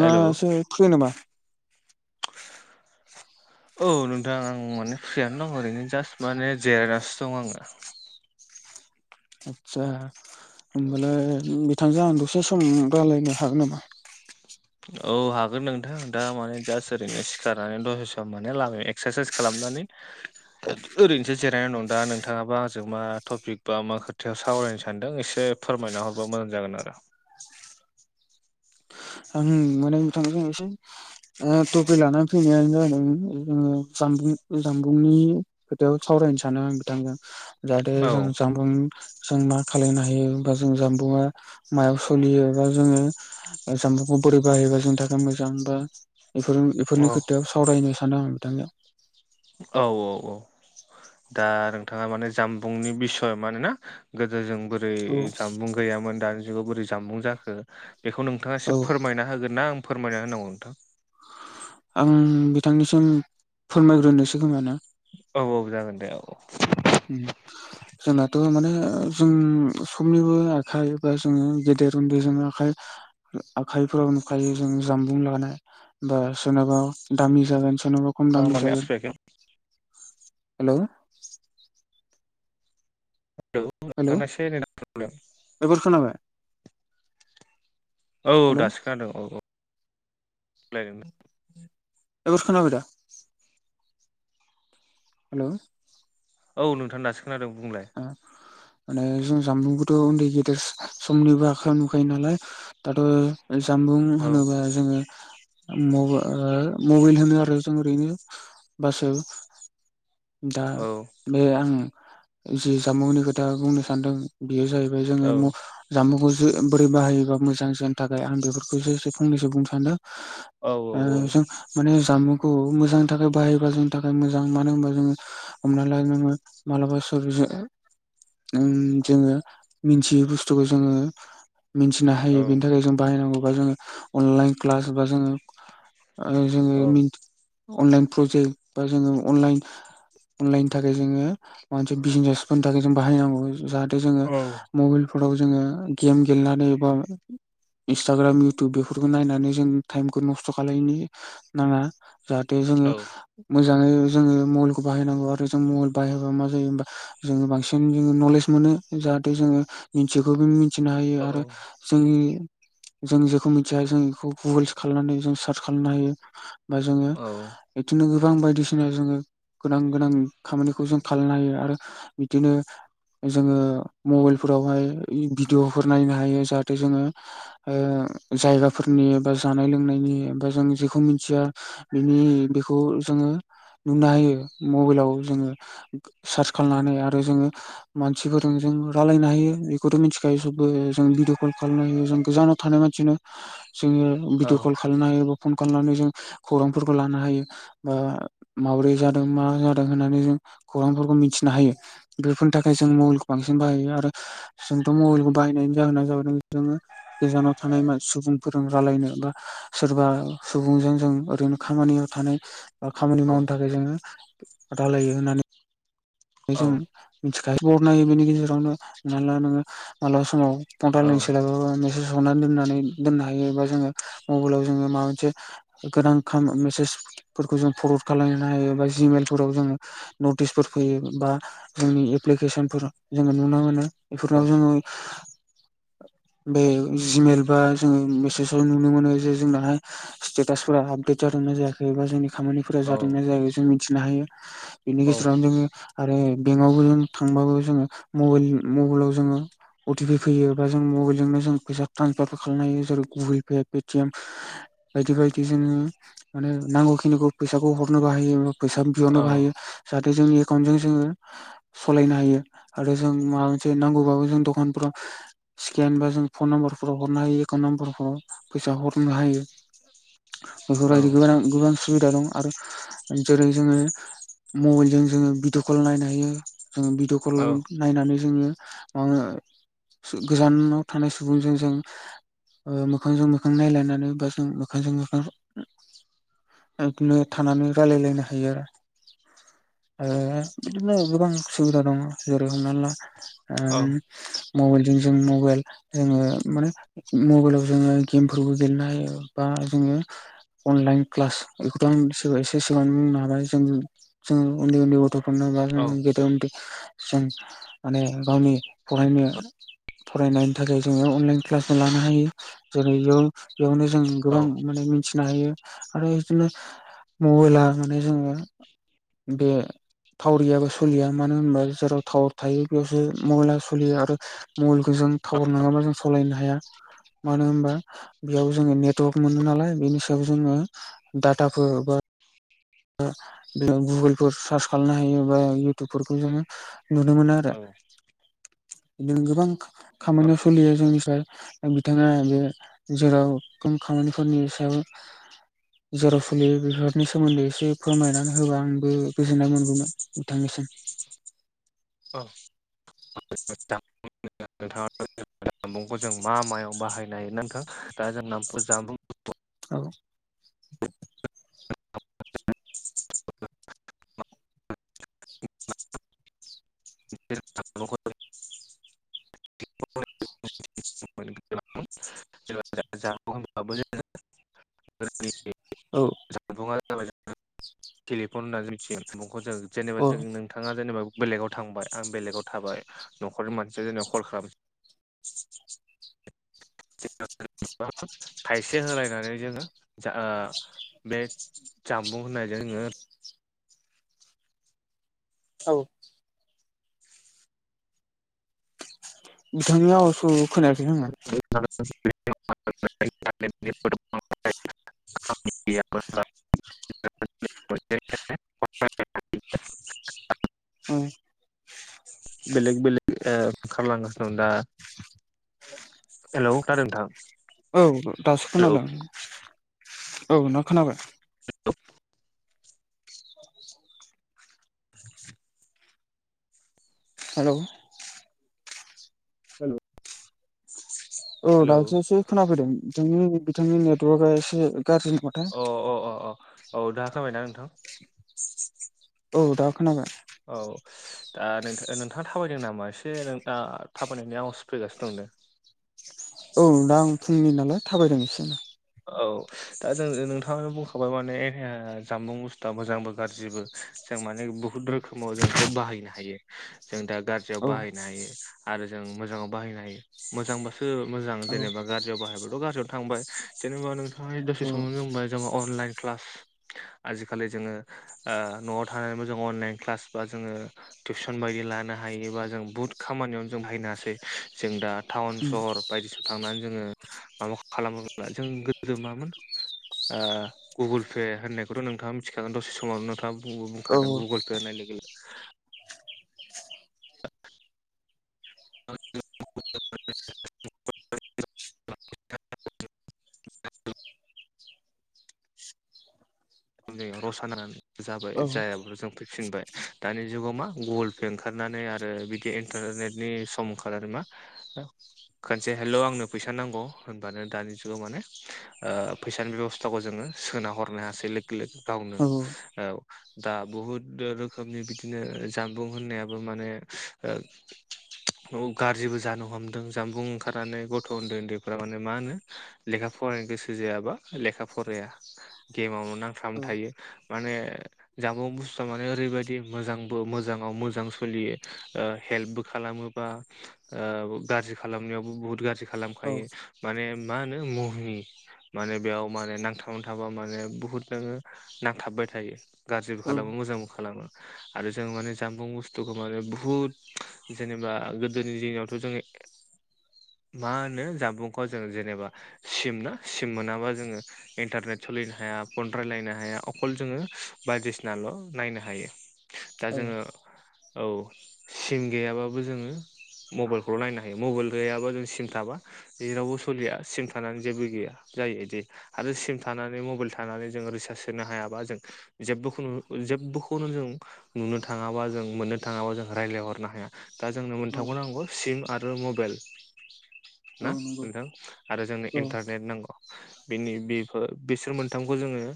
Hello थैयो नामा? औ नोंथां आं माने फ्रियानो दं ओरैनो जास्ट माने जिरायनानैसो दं आङो। आदसा होबालाय बिथांजों आं दसे सम रायजलायनो हागोन नामा? औ हागोन नोंथां दा माने जास्ट ओरैनो सिखारनानै दसे सम माने लालाम एक्सारसाइस खालामनानै ओरैनोसो जिरायनाय नं दा नोंथाङाबा आंजों मा टपिक बा मा खोथायाव सावरायनो सानदों एसे फोरमायना हरबा मोजां जागोन आरो आं मोनायनो नोंथां जों एसे ओ टपि लानानै फैनायानो जादों जोङो जामबुं जामबुंनि खोथायाव सावरायनो सानो आं बिथांखौ जाहाथे औ जों दं जों मा खालायनो हायोबा जों जामबुआ मायाव सोलियोबा जोङो जाम्बाखौ बोरै बाहायोबा जोंनि थाखाय मोजां बाफोर औ बेफोरनि खोथायाव सावरायनो सानदों आं बिथांजों। औ औ औ। दा नोंथाङा माने जामबुंनि बिसय मान ना गोदो जों बो बोरै औ जामबुं गैयामोन दानि जुगाव बोरै जामबुं जाखो? बेखौ नोंथाङा औ एसे फोरमायना होगोन ना आं फोरमायना होनांगौ नोंथां? आं बिथांनिसिम फोरमायग्रोनोसै खोम ना। औ औ जागोन दे औ। [inaudible] जोंनाथ' माने जों समनिबो आखाइ बा जोङो गेदेर उन्दैजों आखाइ आखाइफोराव नुखायो जों जामबुं लानाय। बा सोरनाबा दामि जागोन सोरनाबा खम मा दामि माने जागोन। आसपेक्टआव हेलौ। हेलौ [unintelligible] एबार खोनाबाय। औ हेलौ दासो खोनादों औ औ। [unintelligible] हेल' औ नोंथांङा नो खोनादों बुंलाय। माने जों जामबुंखौथ' उन्दै गेदेर समनिबो आखाइ नुखायो नालाय। दाथ' जामबुं औ होनोबा जोङो म ओ मबाइल होनो आरो जों ओरैनो बासो दा औ बे आं जि जामुंनि खोथा बुंनो सानदों बेयो जाहैबाय औ जोङो जानबुंखौसो बोरै बाहायोबा मोजां जानो थाखाय आं बेफोरखौसो एसे फंनैसो बुंनो सानदों। औ ओ जों माने जामुंखौ मोजांनि थाखाय बाहायबा जोंनि थाखाय मोजां मानो होनबा जोङो हमनानै ला नोङो मालाबा [unintelligible] जोङो मिथियै बुस्थुखौ जोङो मिथिनो औ हायो बेनि थाखाय जों बाहायनांगौ बा जों अनलाइन क्लास बा जोङो ओ जोङो औ [unintelligible] अनलाइन प्रजेक्ट बा जोङो अनलाइन अनलाइननि थाखाय जोङो मोनसे बिजनेसफोरनि थाखाय जों बाहायनांगौ जाहाथे जोङो औ मबाइलफोराव जोङो गेम गेलेनानै बा इन्स्टाग्राम इयउटुब बेफोरखौ नायनानै जों टाइमखौ नस्थ' खालायनो नाङा। जाहाथे जोङो औ औ मोजाङै जोङो मबाइलखौ बाहायनांगौ आरो जों मल बाहायबा मा जायो ओमबा जों बांसिन जोङो नलेज मोनो जाहाथे जोङो मिथिखौ बो मिथिनो हायो औ आरो जोंनि जों जेखौ मिथिया जों बेखौ गुगोलस खालामनानै जों सार्च खालामनो हायो। बा जोङो औ बिदिनो गोबां बायदिसिना जोङो गोनां गोनां खामानिखौ जों खालामनो हायो आरो बिदिनो जोङो मबाइल फोरावहाय भिडिअफोर नायनो हायो जाहाथे जोङो ओ जायगाफोरनि बा जानाय लोंनायनि बा जों जेखौ मिथिया बिनि बेखौ जोङो नुनो होायो मबाइलाव जोङो सार्च खालामनानै आरो जोङो मानसिफोरजों जों रायलायनो हायो बेखौथ' मिथिखायो सबबो जों भिदिअ कल खालामनो हायो जों गोजानाव थानाय मानसिनो जोङो भिडिअ कल खालामनो हायो बा फन खालामनानै जों खौरांफोरखौ लानो हायो। बा माब्रै जादों मा जादों होननानै जों खौरांफोरखौ मिथिनो हायो बेफोरनि थाखाय जों मलखौ बांसिन बाहायो आरो जोंथ' मबाइलखौ बायनायनि जाहोना जाबाय जोङो गोजानाव थानाय सुबुंफोरजों रायलायनो बा सोरबा सुबुंजों जों ओरैनो खामानियाव थानाय बा खामानि मावनो औ थाखाय जोङो रायलायो होननानै। बे जों औ मिथिखायो बरनायो बेनि गेजेरावनो माब्ला नोङो मालाबा समाव फन औ रायलायनो सोलाबा बाबो मेसेज हरनानै दोननानै दोननो हायो एबा जोङो मबाइलाव जोङो माबा मोनसे गोनां खा मेसेजफोरखौ जों फरवार्ड खालामनो हायो बा जिमेलफोराव जोङो नटिसफोर फैयो बा जोंनि एप्लिकेसनफोर जोङो नुनो मोनो बेफोरनाव जोङो बे जिमेल बा जोङो मेसेजाव नुनो मोनो जे जोंनाहाय स्तेटास फोरा आपडेट जादों ना जायाखै बा जोंनि खामानि फोरा जादोंना जायाखै जों मिथिनो हायो बेनि गेजेरावनो जोङो आरो बेंकआवबो जों थांबाबो जोङो मबाइल मबाइलाव जोङो अटि पाइ फैयो बा जों मबाइलजोंनो जों फैसा ट्रन्सफारफोर खालामनो हायो जेरै गुगोल पे पेटिएम बायदि बायदि जोङो माने नांगौ खिनिखौ फैसाखौ हरनो बाहायो फैसा बिहरनोबो हायो जाहाथे जोंनि एकाउन्टजों जोङो सालायनो हायो आरो जों माबा मोनसे नांगौबाबो जों दखानफोराव स्केन बा जों फन नाम्बारफोराव हरनो हायो एकाउन्ट नाम्बारफोराव फैसा हरनो हायो बेफोरबायदि गोबां गोबां सु बिदा दं आरो जेरै जोङो मबाइलजों जोङो भिडिअ कल नायनो हायो जों बिदिअ कल नायनानै जोङो ओ गोजानाव थानाय सुबुंजों जों ओ मोखांजों मोखां नायलनानै बा जों मोखांजों मोखां दिनो थानानै रायलायलायनो हायो आरो। ओ बिदिनो गोबां सुबिदा दङ जेरै हमना ला ओ मबाइलजों जों मबाइल जोङो माने मबाइलाव जोङो गेमफोरबो गेलेनो हायो बा जोङो अनलाइन क्लास बेखौथ' आं एसे सिगां बुंनो हाबाय जों जोङो उन्दै उन्दै गथ'फोरा एबा गिदिर उन्दै जों माने गावनि फरायनो फरायनायनि थाखाय जोङो अनलाइन क्लासबो लानो हायो जेरै बेयाव बेयावनो जों गोबां माने मिथिनो हायो आरो बिदिनो मबाइला माने जोङो बे टावार गैयाबा सोलिया मानो होनोबा जेराव टावार थायो बेयावसो महला सोलियो आरो मबाइलखौ जों टावार नङाबा जों सालायनो हाया मानो होनबा बेयाव जोङो नेटवर्क मोनो नालाय बेनि सायाव जोङो डाटाफोर बा बे गुगोलफोर सार्च खालामनो हायो बा इउटुबफोरखौ जोङो नुनो मोनो आरो बिदिनो गोबां खामानियाव सोलियो जोंनिफ्राय बिथाङा बे जेराव खम खामानिफोरनि सायाव जेराव फुलि बेफोरनि सोमोन्दै एसे फोरमायनानै होबा आंबो गोजोननाय मोनगौमोन नोंथांनिसिम। औ नोंथाङा जामबुंखौ जों मा मायाव बाहायनाय ना नोंथां दा जोंनाथ' जामबुं औ जामबुंखौ जों मोनगोन [unintelligible] औ जामबुं जाबाय थेलिफन होननानै जों मिथियो जामुं खौ जों जेनेबा औ जों नों थाङा जेनेबा बेलेगाव थांबाय आं बेलेगाव थाबाय न'खरनि मानसिया जेनेबा कल खालाम [unintelligible] थायसे होलायनानै जोङो जा बे जामबुं होननाय जोङो औ बिथांनि आवस खोनायासै आङो। [unintelligible] [inaudible] [unintelligible] औ बेलेग बेलेग खालामलांगासिनो दं दा हेलौ खोनादों नोंथां? औ दासो हेलौ खोनादों औ नोंथां खोनाबाय। हेल'। हेल'। औ दाखलिोससे खोनाफैदों बिथांनि बिथांनि नेटवरकआ एसे गाज्रि नथाय अ अ अ अ औ दा खोनाबाय ना नोंथां? औ दा खोनाबाय। औ दा नोंथा नोंथाङा थाबायदों नामा एसे दा थाबायनायनि आवास फैगासिनो दंदों औ दा आं फुंनि नालाय थाबायदों एसे औ दा जों नोंथाङानो बुंखाबाय माने ओ जामबुं बुस्थुआ मोजांबो गाज्रिबो जों माने बुहुत औ रोखोमाव जोंखौ बाहायनो हायो जों दा गाज्रियाव औ बाहायनो हायो आरो जों मोजाङाव बाहायनो हायो मोजांबासो मोजां औ जेनेबा गार गाज्रियाव बाहायबथ' गाज्रि थांबाय जेनेबा नोंथाङा दसे औ समावनो बुंबाय जे अनलाइ क्लास आजिखालि जोङो न'आव थानानैबो जों अनलाइन क्लास बा जोङो टिउसन बायदि लानो हायोबा जों बुहुत खामानियावनो जों बायनो हासै जों दा टाउन सहर बायदिसिना थांनानै जोङो माबा खालामोब्ला जों गोदो मामोन ओ गुगोल पे होननायखौथ' नोंथाङा मिथिखागोन दसे समावनो थाङा बुं बुंखादों गुगोल पे होननाय लोगो [inaudible] [unintelligible] उम नै रसा होननानै जाबाय औ जायाबो जों फैफिनबाय दानि जुगाव मा गुगोल पे ओंखारनानै आरो बिदि इन्टारनेटनि समखार आरो मा खनसे हेलौ आंनो फैसा नांगौ होनबानो दानि जुगाव माने ओ फैसानि बेब'स्थाखौ जोङो सोना हरनो हासै लोगो लोगो गावनो औ दा बुहुद रोखोमनि बिदिनो जानबुं होननायाबो माने ओ [inaudible] गाज्रिबो जानो हमदों जामबुं ओंखारनानै गथ' उन्दै उन्दैफ्रा माने मा होनो लेखा फरायनो गोसो जायाबा लेखा फराया गेमावनो औ नंगौ नांथाबना थायो माने जामुं बुस्थुवा माने ओरैबायदि मोजांबो मोजाङाव मोजां सोलियो ओ हेल्पबो खालामो बा ओ गाज्रि खालामनायावबो बुहुत गाज्रि खालामखायो माने मा होनो मुहिनि माने बेयाव माने नांथाबना थाबा माने बुहुत नोङो नांथाबबाय थायो गाज्रिबो खालामो मोजांबो खालामो आरो जों माने जामबुं बुस्थुखौ माने बुहुद जेनेबा गोदोनि दिनावथ' जोङो [inaudible] मा होनो जानबुंखौ जों जेनेबा सिम ना सिम मोनाबा जोङो इन्टारनेट सोलिनो हाया फन रायलायनो हाया अखल जोङो बायदिसिनाल' नायनो हायो दा जोङो औ सिम गैयाबाबो जोङो मबाइलखौल' नायनो हायो मबाइल गैयाबा जों सिम थाबा जेरावबो सोलिया सिम थानानै जेबो गैया जायोदि आरो सिम थानानै मबाइल था थानानै जों रिसार्च सोनो हायाबा जों जेबोखौ जेबोखौनो जों नुनो थाङाबा जों मोननो थाङाबा जों रायज्लायहरनो हाया दा जोंनो मोनथामखौ नांगौ सिम आरो मबाइल औ ना नोंथां आरो जोंनो इन्टारनेट नांगौ बिनि बेफोर बिसोर मोन मोनथामखौ जोङो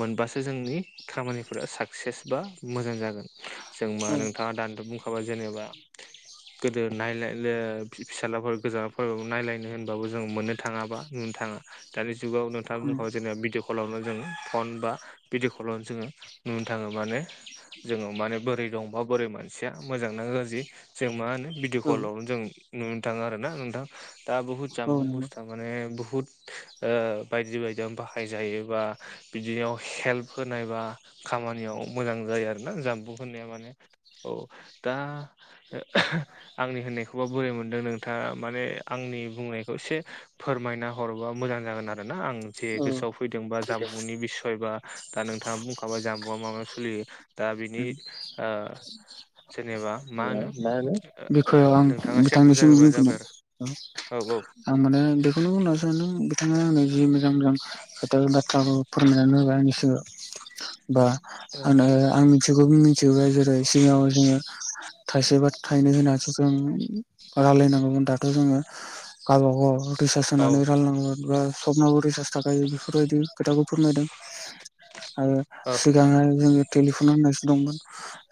मोनबासो जोंनि खामानिफोरा साक्सेस बा मोजां जागोन जों मा नोंथाङा दानिथ' बुंखाबा जेनेबा गोदो नायलाय लो फि-फिसालाफोर गोजानाव फरायबाबो नायलायनो होनबाबो जों मोननो थाङाबा नुनो थाङा दानि जुगाव नोंथांआ बुंखाबाय जेनेबा भिडिअ कलावनो जों फन बा भिडिअ कलावनो जोङो नुनो थाङोबानो जोङो माने बोरै दंबा बोरै मानसिया मोजांना गाज्रि जों मा होनो भिदिअ कलावनो जों नुनो थाङो आरोना नोंथां दा बुहुत जामबुं बुस्थुआ माने बुहुत ओ बायदि बायदियाव बाहाय जायोबा बिदियाव हेल्प होनायबा खामानियाव मोजां जायो आरोना जामबु होननाया माने औ दा आंनि होननायखौबा बोरै मोनदों नोंथाङा माने आंनि बुंनायखौ एसे फोरमायना हरोबा मोजां जागोन आरो ना आं जे नंगौ गोसोआव फैदोंबा जाम्बुंनि बिसय बा दा नोंथाङा बुंखाबाय जाम्बुआ मा मा सोलियो दा बिनि जेनेबा मा होनो औ बेखौ आं नोंथाङासो बुजाय बिथांनिसिम हरबा बुंफिनो जाबाय आरो औ औ आं माने बेखौनो बुंना सान्दों बिथाङा आंनि जि मोजां मोजां खोथा बाथ्रा फोरमायनानै होबाय आंनि सिगाङाव बा आंनो आं मिथिगौ बे मिथिगौ जेरै सिगाङाव जोङो थाइसे बा थाइनै होनानैसो जों रायलायनांगौमोन दाथ' जोङो गावबागाव रिसार्ज औ सोनानै रानलनांगोन बा सपनाबो रिसार्ज थाखायो बेफोरबायदि खोथाखौ फोरमायदों आरो औ सिगांहाय जोङो टेलिफन होननायसो दंमोन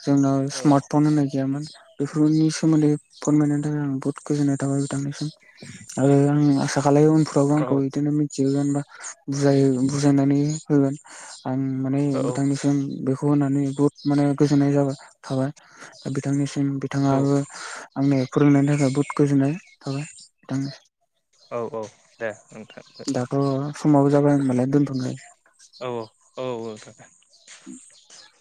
जोंनाव स्मार्टफन होननाय गैयामोन बेफोरनि सोमोन्दै फोरमायनो थाखाय आं बहुत गोजोननाय थाबाय बिथांनिसिम आरो आं आसा खालामो उनफोरावबो औ आंखौ बिदिनो मिथिहोगोन बा बुजायनानै होगोन आं माने बिथांनिसिम बेखौ खौ होनानै बहुत माने गोजोननाय जाबाय थाबाय दा बिथांनिसिम औ बिथाङाबो आंनि फोरोंनायनि थाखाय बहुद गोजोननाय थाबाय बिथांनो औ औ दे नोंथां दाथ' समाबो जाबाय होनोमबालाय दोन्थ'नाय औ औ औ औागोन उ